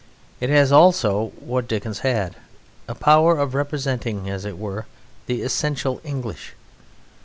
It has also what Dickens had, a power of representing, as it were, the essential English.